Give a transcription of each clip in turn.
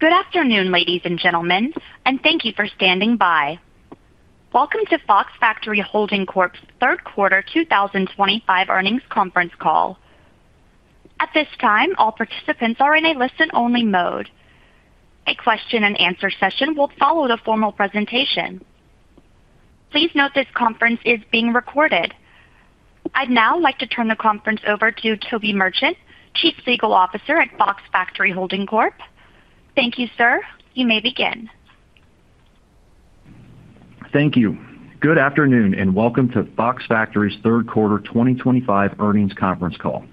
Good afternoon, ladies and gentlemen, and thank you for standing by. Welcome to Fox Factory Holding Corp.'s third quarter 2025 earnings conference call. At this time, all participants are in a listen-only mode. A question-and-answer session will follow the formal presentation. Please note this conference is being recorded. I'd now like to turn the conference over to Toby Merchant, Chief Legal Officer at Fox Factory Holding Corp. Thank you, sir. You may begin. Thank you. Good afternoon, and welcome to Fox Factory's third quarter 2025 earnings conference call.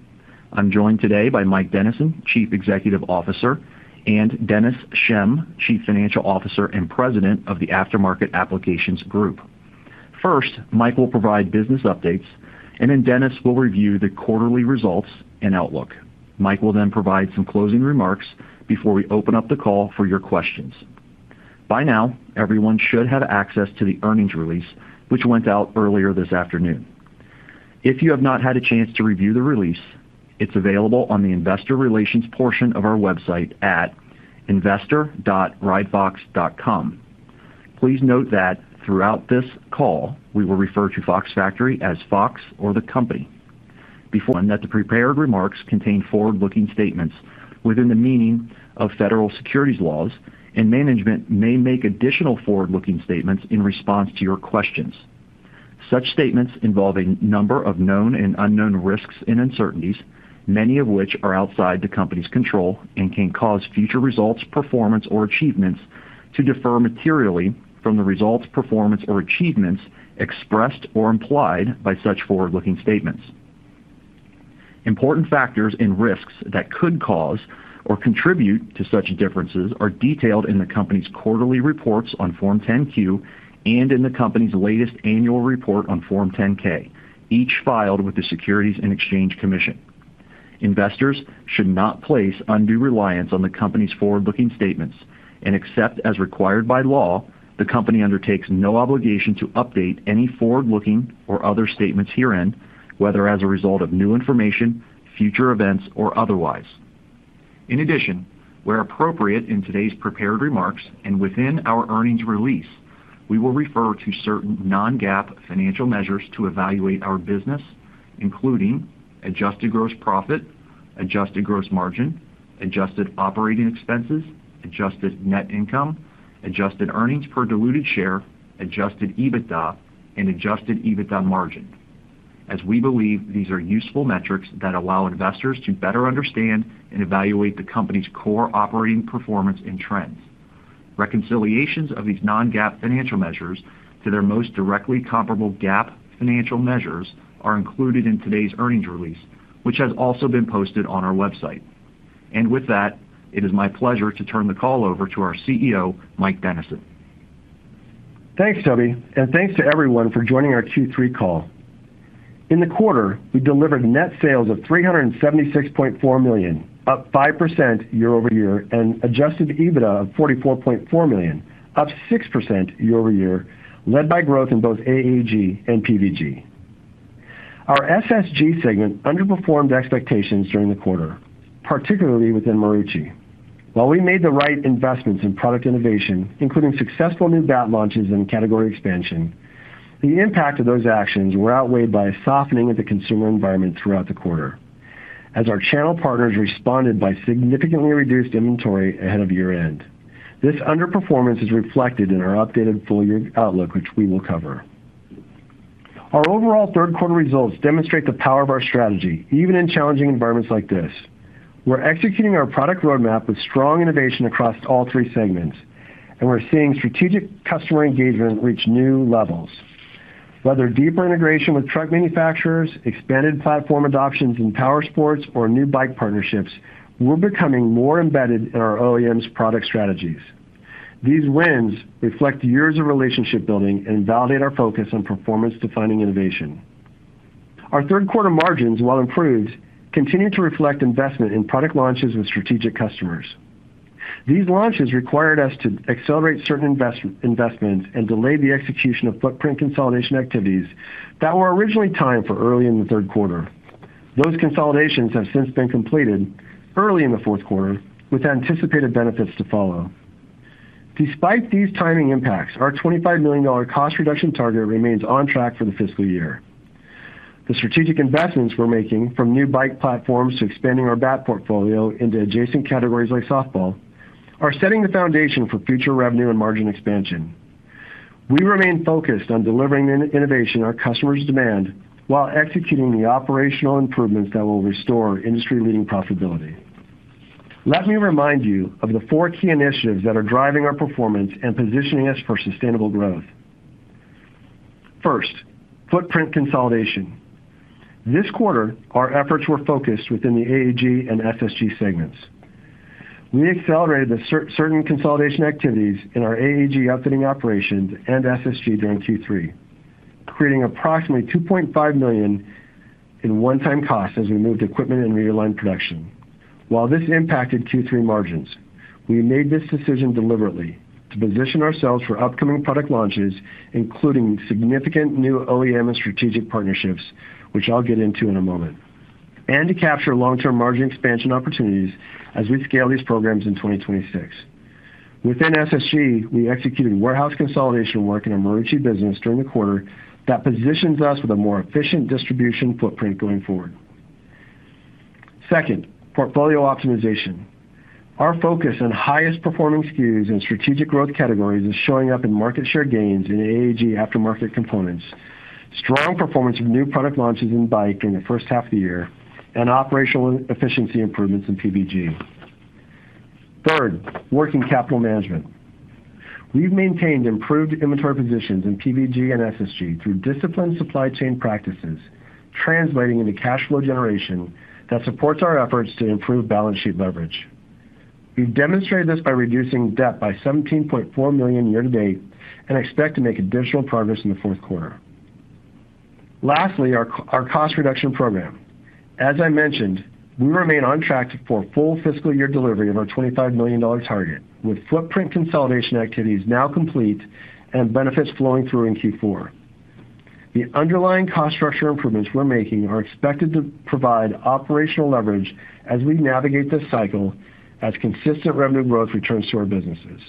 I'm joined today by Mike Dennison, Chief Executive Officer, and Dennis Schemm, Chief Financial Officer and President of the Aftermarket Applications Group. First, Mike will provide business updates, and then Dennis will review the quarterly results and outlook. Mike will then provide some closing remarks before we open up the call for your questions. By now, everyone should have access to the earnings release, which went out earlier this afternoon. If you have not had a chance to review the release, it's available on the Investor Relations portion of our website at investor.ridefox.com. Please note that throughout this call, we will refer to Fox Factory as Fox or the Company. Before that, the prepared remarks contain forward-looking statements within the meaning of federal securities laws, and management may make additional forward-looking statements in response to your questions. Such statements involve a number of known and unknown risks and uncertainties, many of which are outside the company's control and can cause future results, performance, or achievements to differ materially from the results, performance, or achievements expressed or implied by such forward-looking statements. Important factors and risks that could cause or contribute to such differences are detailed in the company's quarterly reports on Form 10-Q and in the company's latest annual report on Form 10-K, each filed with the Securities and Exchange Commission. Investors should not place undue reliance on the company's forward-looking statements and accept, as required by law, the company undertakes no obligation to update any forward-looking or other statements herein, whether as a result of new information, future events, or otherwise. In addition, where appropriate in today's prepared remarks and within our earnings release, we will refer to certain non-GAAP financial measures to evaluate our business, including adjusted gross profit, adjusted gross margin, Adjusted operating expenses, adjusted net income, adjusted earnings per diluted share, Adjusted EBITDA, and Adjusted EBITDA margin, as we believe these are useful metrics that allow investors to better understand and evaluate the company's core operating performance and trends. Reconciliations of these non-GAAP financial measures to their most directly comparable GAAP financial measures are included in today's earnings release, which has also been posted on our website. It is my pleasure to turn the call over to our CEO, Mike Dennison. Thanks, Toby, and thanks to everyone for joining our Q3 call. In the quarter, we delivered net sales of $376.4 million, up 5% year-over-year, and Adjusted EBITDA of $44.4 million, up 6% year-over-year, led by growth in both AAG and PVG. Our SSG segment underperformed expectations during the quarter, particularly within Marucci. While we made the right investments in product innovation, including successful new bat launches and category expansion, the impact of those actions was outweighed by a softening of the consumer environment throughout the quarter, as our channel partners responded by significantly reduced inventory ahead of year-end. This underperformance is reflected in our updated full-year outlook, which we will cover. Our overall third-quarter results demonstrate the power of our strategy, even in challenging environments like this. We're executing our product roadmap with strong innovation across all three segments, and we're seeing strategic customer engagement reach new levels. Whether deeper integration with truck manufacturers, expanded platform adoptions in power sports, or new bike partnerships will become more embedded in our OEM's product strategies. These wins reflect years of relationship building and validate our focus on performance-defining innovation. Our third-quarter margins, while improved, continue to reflect investment in product launches with strategic customers. These launches required us to accelerate certain investments and delay the execution of footprint consolidation activities that were originally timed for early in the third quarter. Those consolidations have since been completed early in the fourth quarter, with anticipated benefits to follow. Despite these timing impacts, our $25 million cost reduction target remains on track for the fiscal year. The strategic investments we're making, from new bike platforms to expanding our bat portfolio into adjacent categories like softball, are setting the foundation for future revenue and margin expansion. We remain focused on delivering the innovation our customers demand while executing the operational improvements that will restore industry-leading profitability. Let me remind you of the four key initiatives that are driving our performance and positioning us for sustainable growth. First, footprint consolidation. This quarter, our efforts were focused within the AAG and SSG segments. We accelerated certain consolidation activities in our AAG outfitting operations and SSG during Q3, creating approximately $2.5 million in one-time costs as we moved equipment and realigned production. While this impacted Q3 margins, we made this decision deliberately to position ourselves for upcoming product launches, including significant new OEM and strategic partnerships, which I'll get into in a moment, and to capture long-term margin expansion opportunities as we scale these programs in 2026. Within SSG, we executed warehouse consolidation work in a Marucci business during the quarter that positions us with a more efficient distribution footprint going forward. Second, portfolio optimization. Our focus on highest-performing SKUs and strategic growth categories is showing up in market share gains in AAG aftermarket components, strong performance of new product launches in bike during the first half of the year, and operational efficiency improvements in PVG. Third, working capital management. We've maintained improved inventory positions in PVG and SSG through disciplined supply chain practices, translating into cash flow generation that supports our efforts to improve balance sheet leverage. We've demonstrated this by reducing debt by $17.4 million year-to-date and expect to make additional progress in the fourth quarter. Lastly, our cost reduction program. As I mentioned, we remain on track for full fiscal year delivery of our $25 million target, with footprint consolidation activities now complete and benefits flowing through in Q4. The underlying cost structure improvements we're making are expected to provide operational leverage as we navigate this cycle as consistent revenue growth returns to our businesses.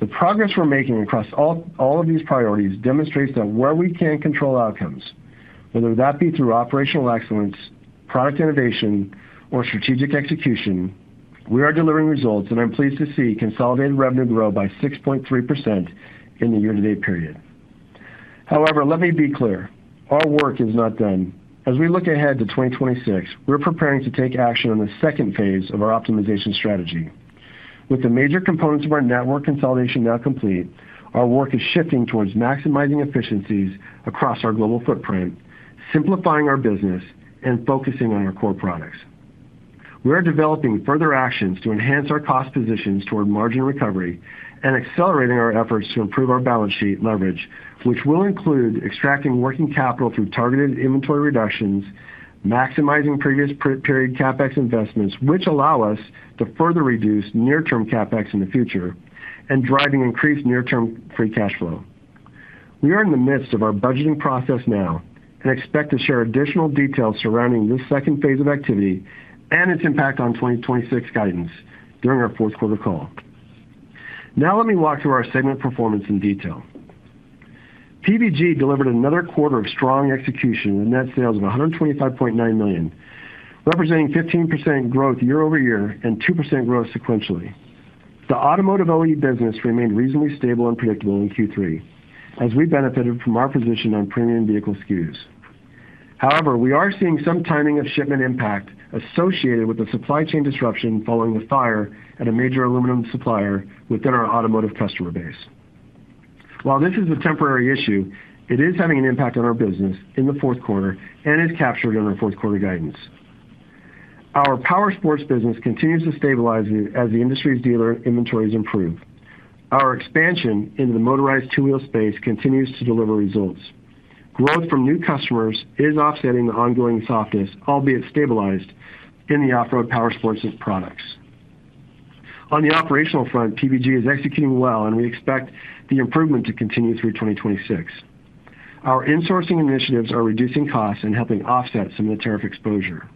The progress we're making across all of these priorities demonstrates that where we can control outcomes, whether that be through operational excellence, product innovation, or strategic execution, we are delivering results, and I'm pleased to see consolidated revenue grow by 6.3% in the year-to-date period. However, let me be clear: our work is not done. As we look ahead to 2026, we're preparing to take action on the second phase of our optimization strategy. With the major components of our network consolidation now complete, our work is shifting towards maximizing efficiencies across our global footprint, simplifying our business, and focusing on our core products. We are developing further actions to enhance our cost positions toward margin recovery and accelerating our efforts to improve our balance sheet leverage, which will include extracting working capital through targeted inventory reductions, maximizing previous period CapEx investments, which allow us to further reduce near-term CapEx in the future, and driving increased near-term free cash flow. We are in the midst of our budgeting process now and expect to share additional details surrounding this second phase of activity and its impact on 2026 guidance during our fourth-quarter call. Now, let me walk through our segment performance in detail. PVG delivered another quarter of strong execution with net sales of $125.9 million, representing 15% growth year-over-year and 2% growth sequentially. The automotive OE business remained reasonably stable and predictable in Q3, as we benefited from our position on premium vehicle SKUs. However, we are seeing some timing of shipment impact associated with the supply chain disruption following the fire at a major aluminum supplier within our automotive customer base. While this is a temporary issue, it is having an impact on our business in the fourth quarter and is captured in our fourth-quarter guidance. Our power sports business continues to stabilize as the industry's dealer inventories improve. Our expansion into the motorized two-wheel space continues to deliver results. Growth from new customers is offsetting the ongoing softness, albeit stabilized, in the off-road power sports products. On the operational front, PVG is executing well, and we expect the improvement to continue through 2026. Our insourcing initiatives are reducing costs and helping offset some of the tariff exposure.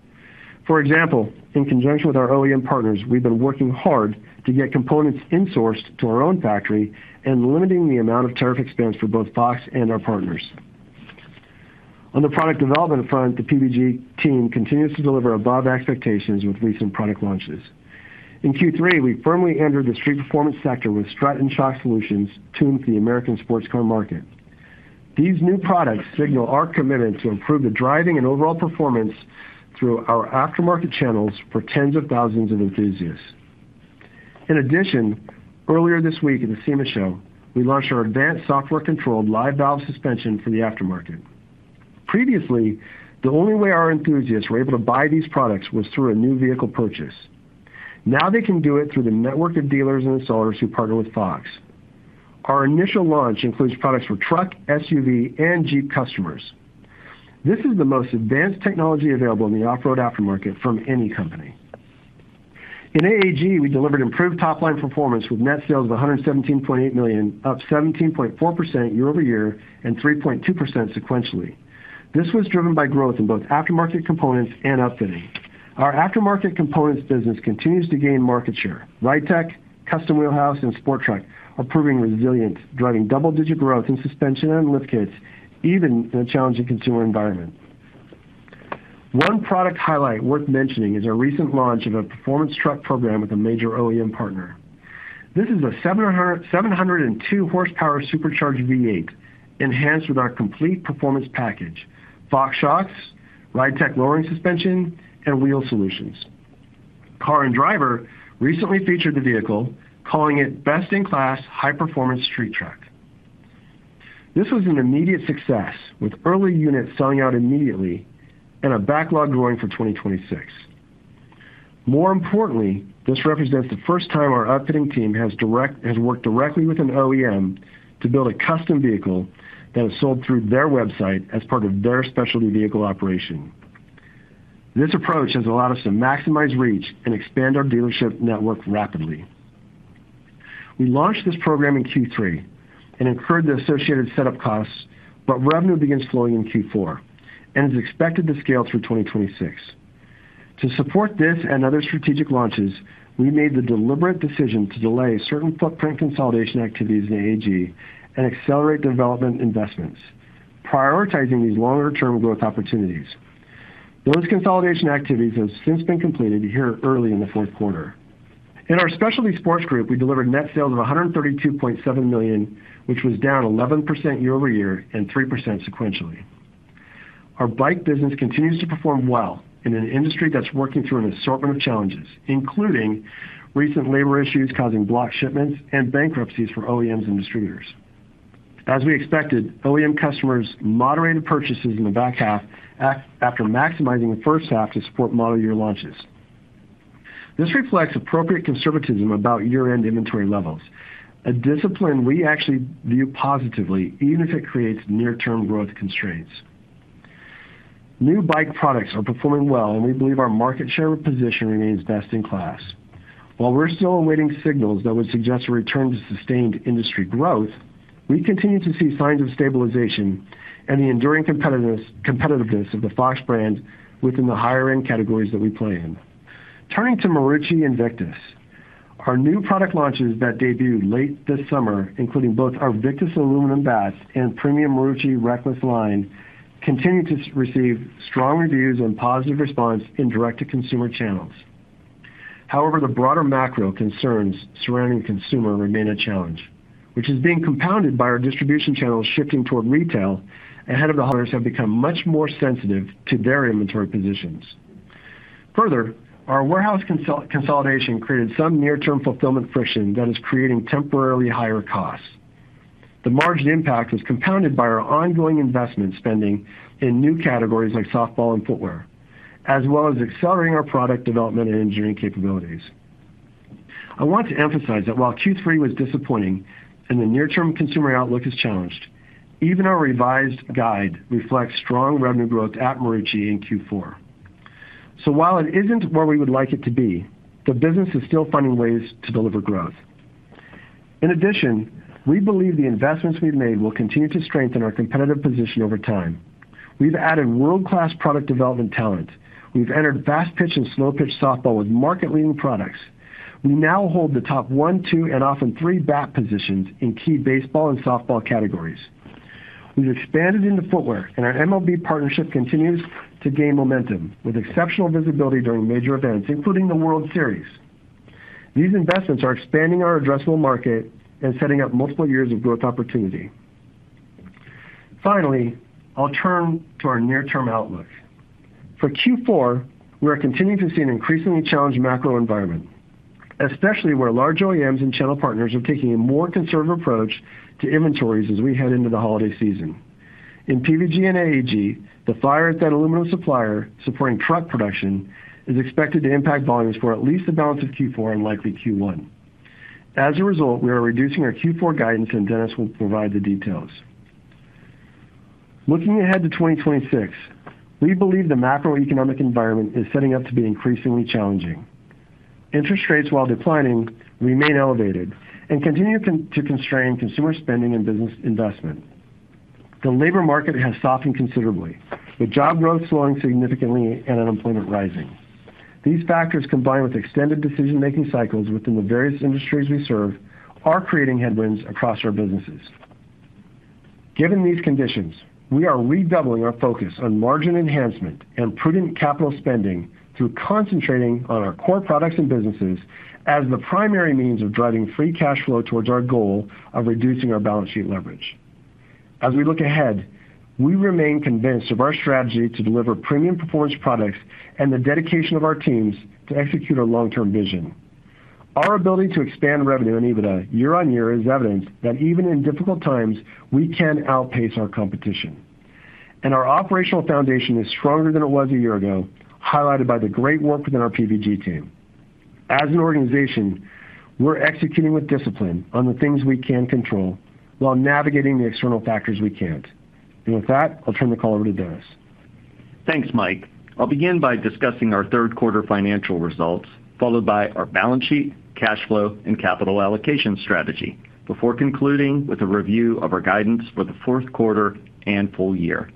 For example, in conjunction with our OEM partners, we've been working hard to get components insourced to our own factory and limiting the amount of tariff expense for both Fox and our partners. On the product development front, the PVG team continues to deliver above expectations with recent product launches. In Q3, we firmly entered the street performance sector with Stratton Shock Solutions tuned for the American sports car market. These new products signal our commitment to improve the driving and overall performance through our aftermarket channels for tens of thousands of enthusiasts. In addition, earlier this week at the SEMA show, we launched our advanced software-controlled Live Valve Suspension for the aftermarket. Previously, the only way our enthusiasts were able to buy these products was through a new vehicle purchase. Now, they can do it through the network of dealers and installers who partner with Fox. Our initial launch includes products for truck, SUV, and Jeep customers. This is the most advanced technology available in the off-road aftermarket from any company. In AAG, we delivered improved top-line performance with net sales of $117.8 million, up 17.4% year-over-year and 3.2% sequentially. This was driven by growth in both aftermarket components and upfitting. Our aftermarket components business continues to gain market share. RideTech, Custom Wheelhouse, and Sporttruck are proving resilient, driving double-digit growth in suspension and lift kits even in a challenging consumer environment. One product highlight worth mentioning is our recent launch of a performance truck program with a major OEM partner. This is a 702-horsepower Supercharged V8 enhanced with our complete performance package: Fox Shocks, RideTech lowering suspension, and wheel solutions. Car and Driver recently featured the vehicle, calling it "best-in-class high-performance street truck." This was an immediate success, with early units selling out immediately and a backlog growing for 2026. More importantly, this represents the first time our outfitting team has worked directly with an OEM to build a custom vehicle that is sold through their website as part of their specialty vehicle operation. This approach has allowed us to maximize reach and expand our dealership network rapidly. We launched this program in Q3 and incurred the associated setup costs, but revenue begins flowing in Q4 and is expected to scale through 2026. To support this and other strategic launches, we made the deliberate decision to delay certain footprint consolidation activities in AAG and accelerate development investments, prioritizing these longer-term growth opportunities. Those consolidation activities have since been completed here early in the fourth quarter. In our specialty sports group, we delivered net sales of $132.7 million, which was down 11% year-over-year and 3% sequentially. Our bike business continues to perform well in an industry that is working through an assortment of challenges, including recent labor issues causing blocked shipments and bankruptcies for OEMs and distributors. As we expected, OEM customers moderated purchases in the back half after maximizing the first half to support model year launches. This reflects appropriate conservatism about year-end inventory levels, a discipline we actually view positively, even if it creates near-term growth constraints. New bike products are performing well, and we believe our market share position remains best in class. While we're still awaiting signals that would suggest a return to sustained industry growth, we continue to see signs of stabilization and the enduring competitiveness of the Fox brand within the higher-end categories that we play in. Turning to Marucci and Victus, our new product launches that debuted late this summer, including both our Victus aluminum bats and premium Marucci Reckless line, continue to receive strong reviews and positive response in direct-to-consumer channels. However, the broader macro concerns surrounding consumer remain a challenge, which is being compounded by our distribution channels shifting toward retail ahead of the. Have become much more sensitive to their inventory positions. Further, our warehouse consolidation created some near-term fulfillment friction that is creating temporarily higher costs. The margin impact is compounded by our ongoing investment spending in new categories like softball and footwear, as well as accelerating our product development and engineering capabilities. I want to emphasize that while Q3 was disappointing and the near-term consumer outlook is challenged, even our revised guide reflects strong revenue growth at Marucci in Q4. While it is not where we would like it to be, the business is still finding ways to deliver growth. In addition, we believe the investments we have made will continue to strengthen our competitive position over time. We have added world-class product development talent. We have entered fast-pitch and slow-pitch softball with market-leading products. We now hold the top one, two, and often three bat positions in key baseball and softball categories. We have expanded into footwear, and our MLB partnership continues to gain momentum with exceptional visibility during major events, including the World Series. These investments are expanding our addressable market and setting up multiple years of growth opportunity. Finally, I'll turn to our near-term outlook. For Q4, we're continuing to see an increasingly challenged macro environment, especially where large OEMs and channel partners are taking a more conservative approach to inventories as we head into the holiday season. In PVG and AAG, the fire at that aluminum supplier supporting truck production is expected to impact volumes for at least the balance of Q4 and likely Q1. As a result, we are reducing our Q4 guidance, and Dennis will provide the details. Looking ahead to 2026, we believe the macroeconomic environment is setting up to be increasingly challenging. Interest rates, while declining, remain elevated and continue to constrain consumer spending and business investment. The labor market has softened considerably, with job growth slowing significantly and unemployment rising. These factors, combined with extended decision-making cycles within the various industries we serve, are creating headwinds across our businesses. Given these conditions, we are redoubling our focus on margin enhancement and prudent capital spending through concentrating on our core products and businesses as the primary means of driving free cash flow towards our goal of reducing our balance sheet leverage. As we look ahead, we remain convinced of our strategy to deliver premium performance products and the dedication of our teams to execute our long-term vision. Our ability to expand revenue in EBITDA year-on-year is evidence that even in difficult times, we can outpace our competition. Our operational foundation is stronger than it was a year ago, highlighted by the great work within our PVG team. As an organization, we're executing with discipline on the things we can control while navigating the external factors we can't. With that, I'll turn the call over to Dennis. Thanks, Mike. I'll begin by discussing our third-quarter financial results, followed by our balance sheet, cash flow, and capital allocation strategy, before concluding with a review of our guidance for the fourth quarter and full year.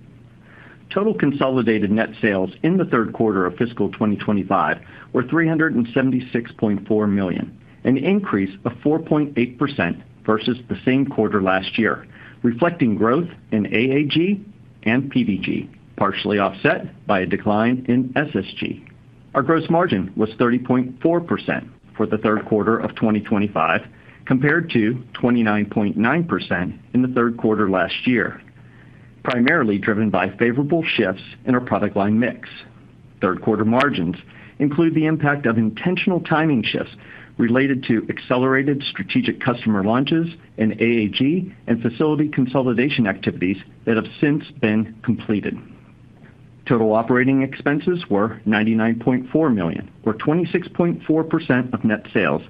Total consolidated net sales in the third quarter of fiscal 2025 were $376.4 million, an increase of 4.8% versus the same quarter last year, reflecting growth in AAG and PVG, partially offset by a decline in SSG. Our gross margin was 30.4% for the third quarter of 2025, compared to 29.9% in the third quarter last year, primarily driven by favorable shifts in our product line mix. Third-quarter margins include the impact of intentional timing shifts related to accelerated strategic customer launches in AAG and facility consolidation activities that have since been completed. Total operating expenses were $99.4 million, or 26.4% of net sales,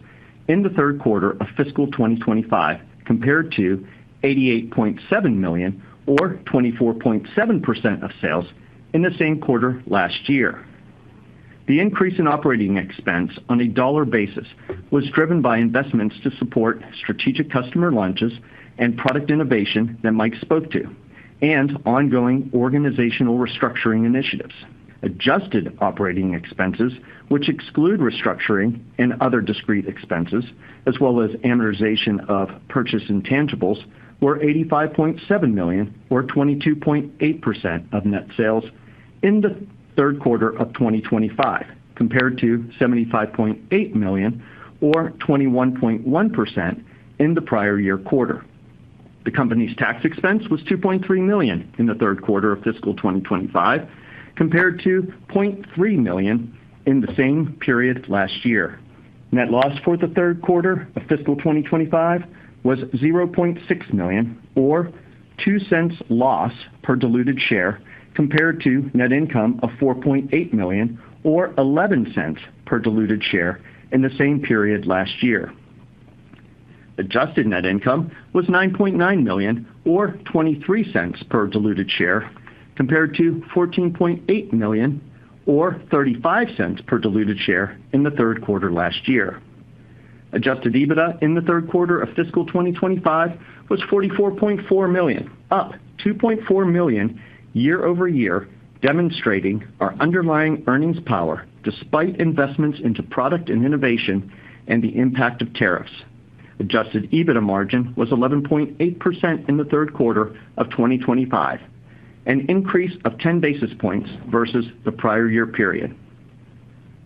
in the third quarter of fiscal 2025, compared to $88.7 million, or 24.7% of sales, in the same quarter last year. The increase in operating expense on a dollar basis was driven by investments to support strategic customer launches and product innovation that Mike spoke to, and ongoing organizational restructuring initiatives. Adjusted operating expenses, which exclude restructuring and other discrete expenses, as well as amortization of purchase intangibles, were $85.7 million, or 22.8% of net sales in the third quarter of 2025, compared to $75.8 million, or 21.1% in the prior year quarter. The company's tax expense was $2.3 million in the third quarter of fiscal 2025, compared to $0.3 million in the same period last year. Net loss for the third quarter of fiscal 2025 was $0.6 million, or $0.02 loss per diluted share, compared to net income of $4.8 million, or $0.11 per diluted share in the same period last year. Adjusted net income was $9.9 million, or $0.23 per diluted share, compared to $14.8 million, or $0.35 per diluted share in the third quarter last year. Adjusted EBITDA in the third quarter of fiscal 2025 was $44.4 million, up $2.4 million year-over-year, demonstrating our underlying earnings power despite investments into product and innovation and the impact of tariffs. Adjusted EBITDA margin was 11.8% in the third quarter of 2025, an increase of 10 basis points versus the prior year period.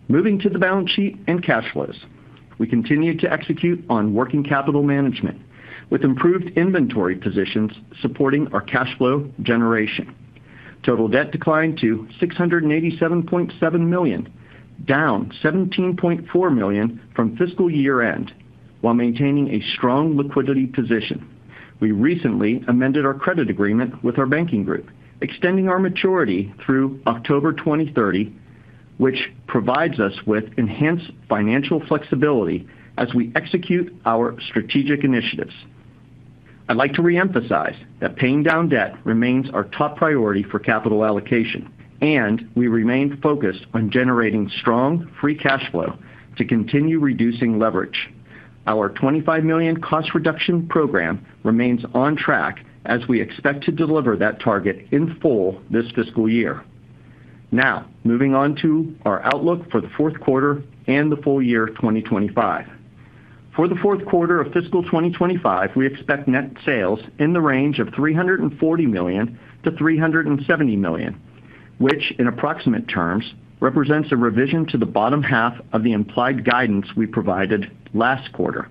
Moving to the balance sheet and cash flows, we continued to execute on working capital management with improved inventory positions supporting our cash flow generation. Total debt declined to $687.7 million, down $17.4 million from fiscal year-end, while maintaining a strong liquidity position. We recently amended our credit agreement with our banking group, extending our maturity through October 2030, which provides us with enhanced financial flexibility as we execute our strategic initiatives. I'd like to re-emphasize that paying down debt remains our top priority for capital allocation, and we remain focused on generating strong free cash flow to continue reducing leverage. Our $25 million cost reduction program remains on track as we expect to deliver that target in full this fiscal year. Now, moving on to our outlook for the fourth quarter and the full year 2025. For the fourth quarter of fiscal 2025, we expect net sales in the range of $340 million-$370 million, which in approximate terms represents a revision to the bottom half of the implied guidance we provided last quarter.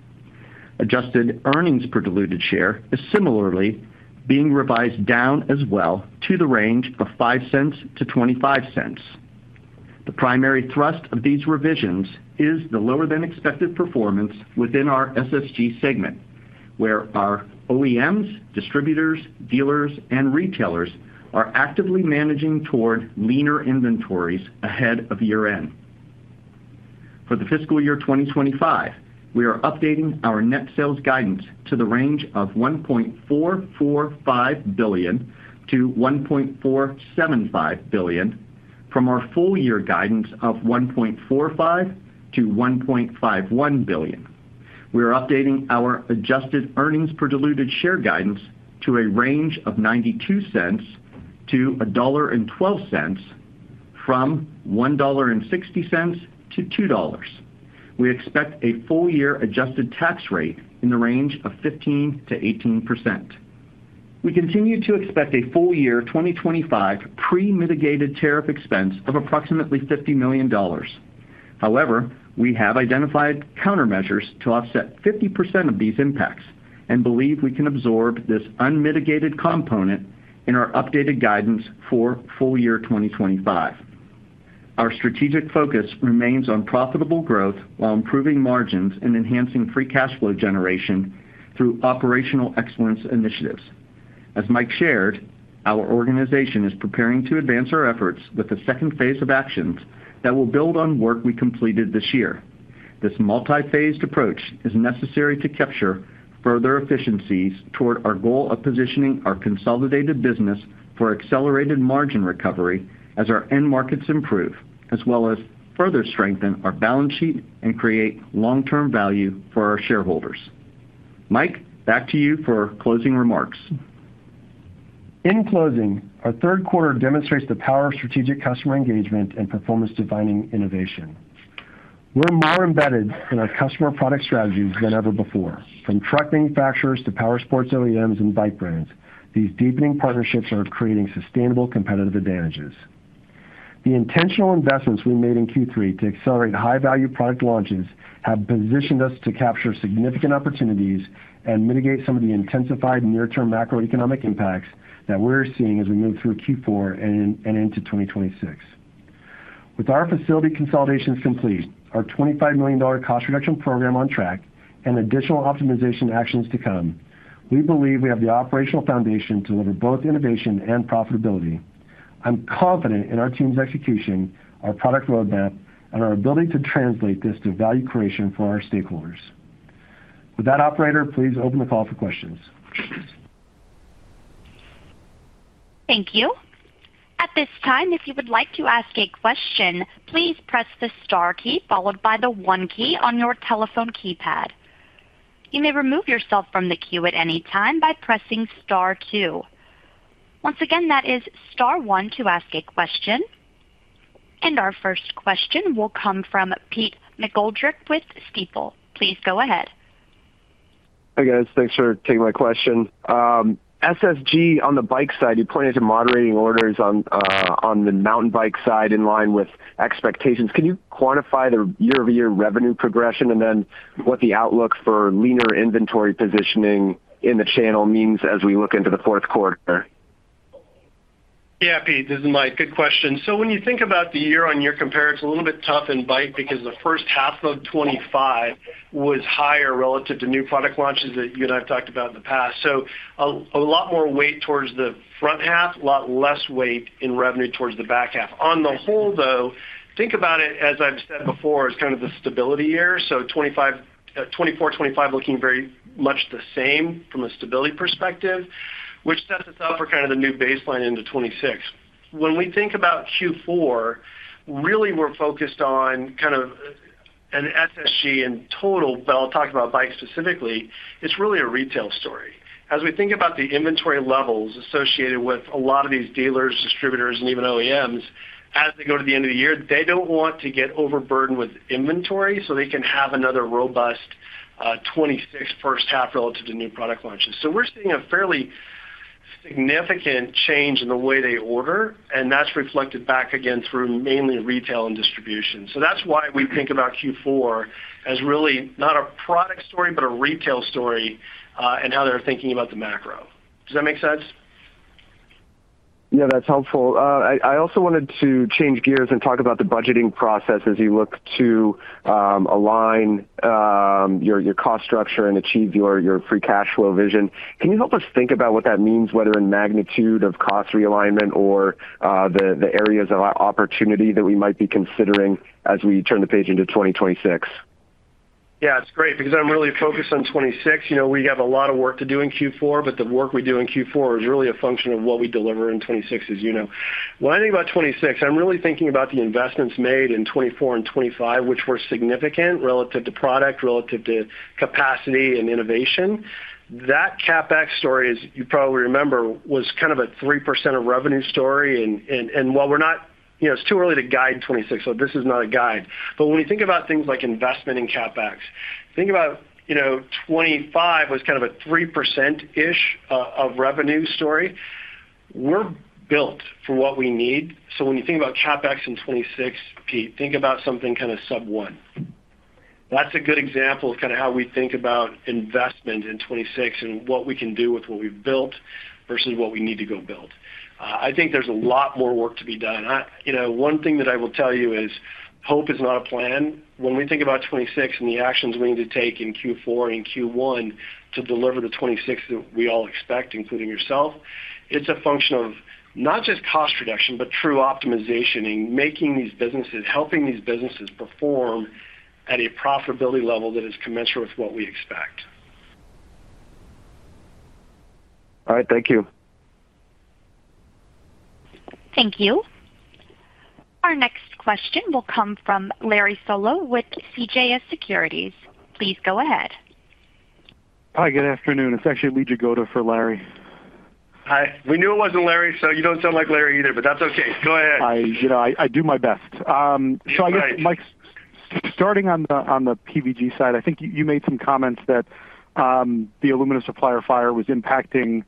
Adjusted earnings per diluted share is similarly being revised down as well to the range of $0.05-$0.25. The primary thrust of these revisions is the lower-than-expected performance within our SSG segment, where our OEMs, distributors, dealers, and retailers are actively managing toward leaner inventories ahead of year-end. For the fiscal year 2025, we are updating our net sales guidance to the range of $1.445 billion-$1.475 billion, from our full year guidance of $1.45 billion-$1.51 billion. We are updating our adjusted earnings per diluted share guidance to a range of $0.92-$1.12 from $1.60-$2.00. We expect a full-year adjusted tax rate in the range of 15-18%. We continue to expect a full-year 2025 pre-mitigated tariff expense of approximately $50 million. However, we have identified countermeasures to offset 50% of these impacts and believe we can absorb this unmitigated component in our updated guidance for full-year 2025. Our strategic focus remains on profitable growth while improving margins and enhancing free cash flow generation through operational excellence initiatives. As Mike shared, our organization is preparing to advance our efforts with the second phase of actions that will build on work we completed this year. This multi-phased approach is necessary to capture further efficiencies toward our goal of positioning our consolidated business for accelerated margin recovery as our end markets improve, as well as further strengthen our balance sheet and create long-term value for our shareholders. Mike, back to you for closing remarks. In closing, our third quarter demonstrates the power of strategic customer engagement and performance-defining innovation. We're more embedded in our customer product strategies than ever before. From truck manufacturers to power sports OEMs and bike brands, these deepening partnerships are creating sustainable competitive advantages. The intentional investments we made in Q3 to accelerate high-value product launches have positioned us to capture significant opportunities and mitigate some of the intensified near-term macroeconomic impacts that we're seeing as we move through Q4 and into 2026. With our facility consolidations complete, our $25 million cost reduction program on track, and additional optimization actions to come, we believe we have the operational foundation to deliver both innovation and profitability. I'm confident in our team's execution, our product roadmap, and our ability to translate this to value creation for our stakeholders. With that, Operator, please open the call for questions. Thank you. At this time, if you would like to ask a question, please press the star key followed by the one key on your telephone keypad. You may remove yourself from the queue at any time by pressing star two. Once again, that is star one to ask a question. Our first question will come from Peter McGoldrick with Stifel. Please go ahead. Hey, guys. Thanks for taking my question. SSG on the bike side, you pointed to moderating orders on the mountain bike side in line with expectations. Can you quantify the year-over-year revenue progression and then what the outlook for leaner inventory positioning in the channel means as we look into the fourth quarter? Yeah, Pete. This is Mike. Good question. When you think about the year-on-year comparative, it's a little bit tough in bike because the first half of 2025 was higher relative to new product launches that you and I have talked about in the past. A lot more weight towards the front half, a lot less weight in revenue towards the back half. On the whole, though, think about it, as I've said before, as kind of the stability year. 2024, 2025 looking very much the same from a stability perspective, which sets us up for kind of the new baseline into 2026. When we think about Q4, really, we're focused on kind of an SSG in total, but I'll talk about bike specifically. It's really a retail story. As we think about the inventory levels associated with a lot of these dealers, distributors, and even OEMs, as they go to the end of the year, they do not want to get overburdened with inventory so they can have another robust 2026 first half relative to new product launches. We are seeing a fairly significant change in the way they order, and that is reflected back again through mainly retail and distribution. That is why we think about Q4 as really not a product story, but a retail story and how they are thinking about the macro. Does that make sense? Yeah, that's helpful. I also wanted to change gears and talk about the budgeting process as you look to align your cost structure and achieve your free cash flow vision. Can you help us think about what that means, whether in magnitude of cost realignment or the areas of opportunity that we might be considering as we turn the page into 2026? Yeah, it's great because I'm really focused on 2026. We have a lot of work to do in Q4, but the work we do in Q4 is really a function of what we deliver in 2026, as you know. When I think about 2026, I'm really thinking about the investments made in 2024 and 2025, which were significant relative to product, relative to capacity and innovation. That CapEx story, as you probably remember, was kind of a 3% of revenue story. While we're not, it's too early to guide 2026, so this is not a guide. When we think about things like investment in CapEx, think about 2025 was kind of a 3%-ish of revenue story. We're built for what we need. When you think about CapEx in 2026, Pete, think about something kind of sub-one. That's a good example of kind of how we think about investment in 2026 and what we can do with what we've built versus what we need to go build. I think there's a lot more work to be done. One thing that I will tell you is hope is not a plan. When we think about 2026 and the actions we need to take in Q4 and Q1 to deliver the 2026 that we all expect, including yourself, it's a function of not just cost reduction, but true optimization and making these businesses, helping these businesses perform at a profitability level that is commensurate with what we expect. All right. Thank you. Thank you. Our next question will come from Larry Solow with CJS Securities. Please go ahead. Hi, good afternoon. It's actually Lee Jagoda for Larry. Hi. We knew it wasn't Larry, so you don't sound like Larry either, but that's okay. Go ahead. I do my best. I guess, Mike, starting on the PVG side, I think you made some comments that the aluminum supplier fire was impacting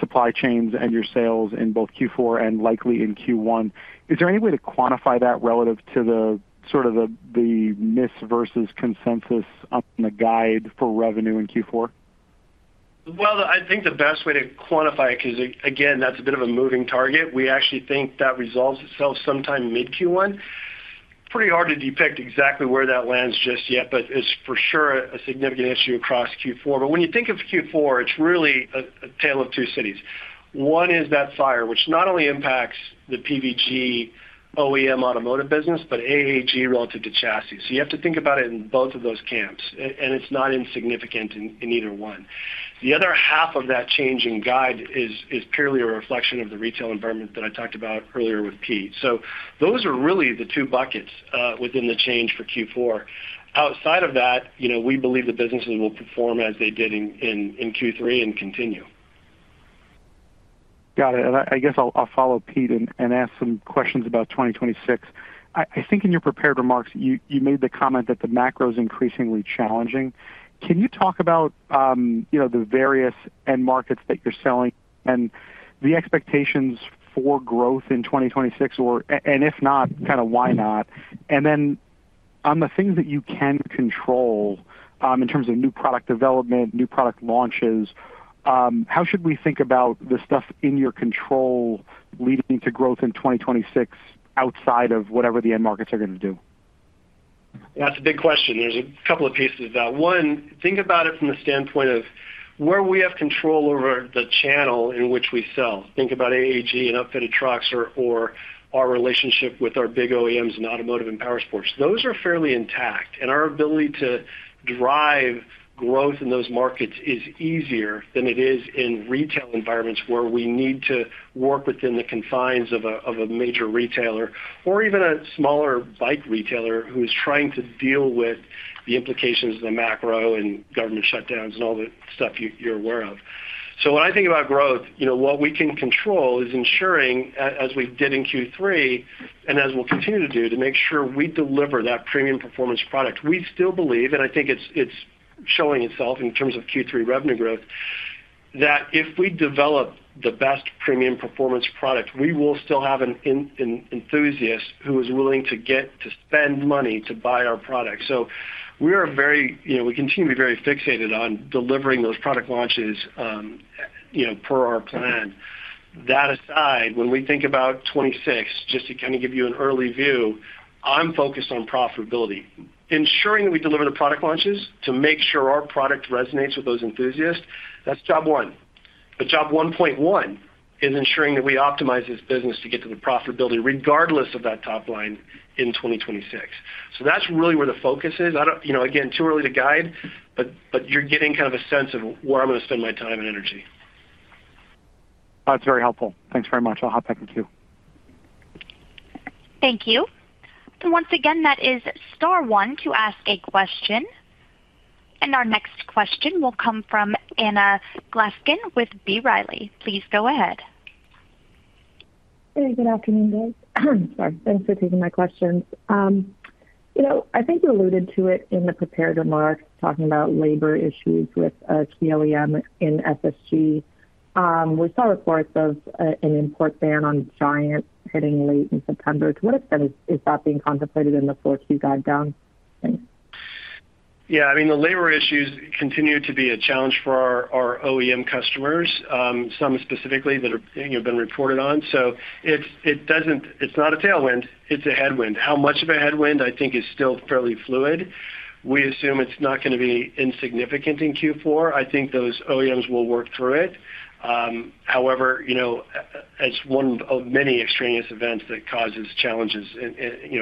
supply chains and your sales in both Q4 and likely in Q1. Is there any way to quantify that relative to the sort of the miss versus consensus on the guide for revenue in Q4? I think the best way to quantify it because, again, that's a bit of a moving target. We actually think that resolves itself sometime mid-Q1. It's pretty hard to depict exactly where that lands just yet, but it's for sure a significant issue across Q4. When you think of Q4, it's really a tale of two cities. One is that fire, which not only impacts the PVG OEM automotive business, but AAG relative to chassis. You have to think about it in both of those camps, and it's not insignificant in either one. The other half of that change in guide is purely a reflection of the retail environment that I talked about earlier with Pete. Those are really the two buckets within the change for Q4. Outside of that, we believe the businesses will perform as they did in Q3 and continue. Got it. I guess I'll follow Pete and ask some questions about 2026. I think in your prepared remarks, you made the comment that the macro is increasingly challenging. Can you talk about the various end markets that you're selling and the expectations for growth in 2026? If not, kind of why not? On the things that you can control, in terms of new product development, new product launches, how should we think about the stuff in your control leading to growth in 2026 outside of whatever the end markets are going to do? That's a big question. There's a couple of pieces of that. One, think about it from the standpoint of where we have control over the channel in which we sell. Think about AAG and outfitted trucks or our relationship with our big OEMs in automotive and power sports. Those are fairly intact. Our ability to drive growth in those markets is easier than it is in retail environments where we need to work within the confines of a major retailer or even a smaller bike retailer who is trying to deal with the implications of the macro and government shutdowns and all the stuff you're aware of. When I think about growth, what we can control is ensuring, as we did in Q3 and as we'll continue to do, to make sure we deliver that premium performance product. We still believe, and I think it's showing itself in terms of Q3 revenue growth, that if we develop the best premium performance product, we will still have an enthusiast who is willing to get to spend money to buy our product. We are very—we continue to be very fixated on delivering those product launches. Per our plan. That aside, when we think about '26, just to kind of give you an early view, I'm focused on profitability. Ensuring that we deliver the product launches to make sure our product resonates with those enthusiasts, that's job one. Job 1.1 is ensuring that we optimize this business to get to the profitability regardless of that top line in 2026. That's really where the focus is. Again, too early to guide, but you're getting kind of a sense of where I'm going to spend my time and energy. That's very helpful. Thanks very much. I'll hop back into you. Thank you. Once again, that is star one to ask a question. Our next question will come from Anna Glaessgen with B. Riley. Please go ahead. Hey, good afternoon, Dave. Sorry. Thanks for taking my questions. I think you alluded to it in the prepared remarks talking about labor issues with key OEM in FSG. We saw reports of an import ban on giants hitting late in September. To what extent is that being contemplated in the force you guide down? Yeah. I mean, the labor issues continue to be a challenge for our OEM customers, some specifically that have been reported on. It is not a tailwind. It is a headwind. How much of a headwind, I think, is still fairly fluid. We assume it is not going to be insignificant in Q4. I think those OEMs will work through it. However, it is one of many extraneous events that causes challenges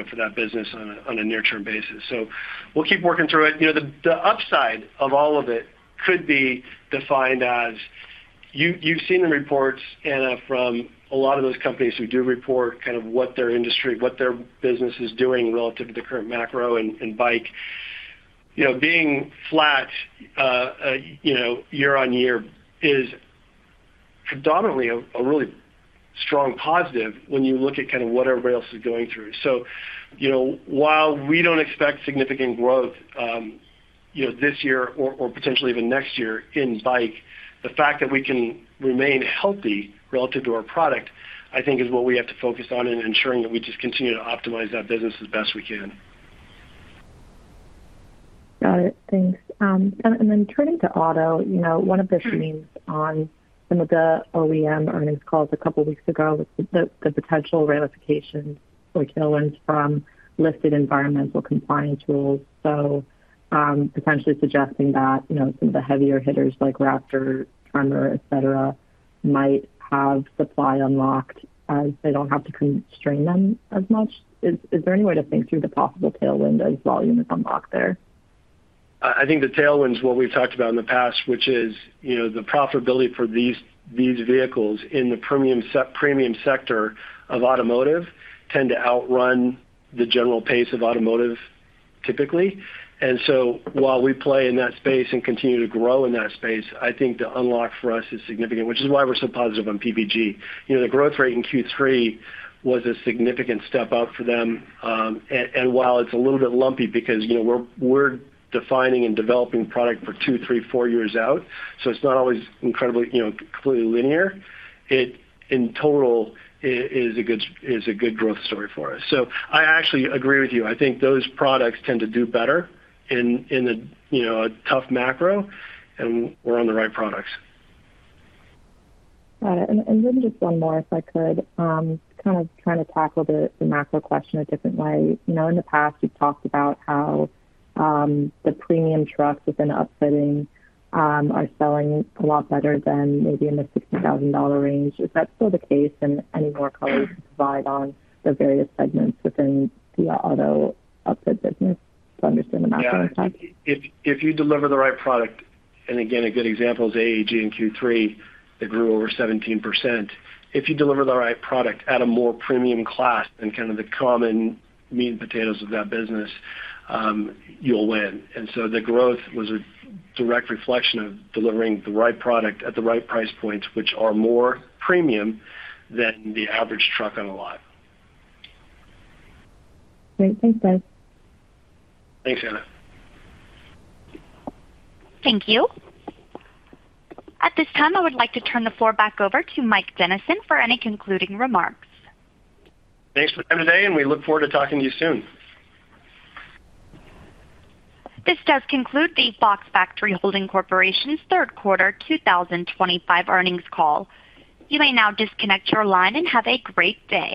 for that business on a near-term basis. We will keep working through it. The upside of all of it could be defined as, you have seen the reports, Anna, from a lot of those companies who do report kind of what their industry, what their business is doing relative to the current macro and bike. Being flat year on year is predominantly a really strong positive when you look at kind of what everybody else is going through. While we don't expect significant growth this year or potentially even next year in bike, the fact that we can remain healthy relative to our product, I think, is what we have to focus on in ensuring that we just continue to optimize that business as best we can. Got it. Thanks. Then turning to auto, one of the themes on some of the OEM earnings calls a couple of weeks ago was the potential ramifications or tailwinds from listed environmental compliance rules. Potentially suggesting that some of the heavier hitters, like Raptor, Tremor, etc., might have supply unlocked as they do not have to constrain them as much. Is there any way to think through the possible tailwind as volume is unlocked there? I think the tailwind is what we've talked about in the past, which is the profitability for these vehicles in the premium sector of automotive tend to outrun the general pace of automotive typically. While we play in that space and continue to grow in that space, I think the unlock for us is significant, which is why we're so positive on PVG. The growth rate in Q3 was a significant step up for them. While it's a little bit lumpy because we're defining and developing product for two, three, four years out, so it's not always incredibly completely linear, it in total is a good growth story for us. I actually agree with you. I think those products tend to do better in a tough macro, and we're on the right products. Got it. Just one more, if I could. Kind of trying to tackle the macro question a different way. In the past, you've talked about how the premium trucks within outfitting are selling a lot better than maybe in the $60,000 range. Is that still the case? Any more colors to provide on the various segments within the auto outfit business to understand the macro impact? Yeah. If you deliver the right product, and again, a good example is AAG in Q3 that grew over 17%. If you deliver the right product at a more premium class than kind of the common meat and potatoes of that business, you'll win. The growth was a direct reflection of delivering the right product at the right price points, which are more premium than the average truck on a lot. Great. Thanks, Dave. Thanks, Anna. Thank you. At this time, I would like to turn the floor back over to Mike Dennison for any concluding remarks. Thanks for coming today, and we look forward to talking to you soon. This does conclude the Fox Factory Holding Corp third quarter 2025 earnings call. You may now disconnect your line and have a great day.